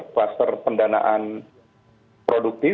kluster pendanaan produktif